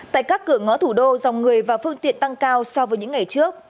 tại các cửa ngõ thủ đô dòng người và phương tiện tăng cao so với những ngày trước